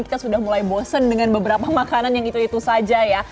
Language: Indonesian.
kita sudah mulai bosen dengan beberapa makanan yang itu itu saja ya